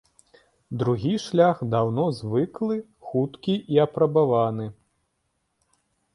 Другі шлях даўно звыклы, хуткі і апрабаваны.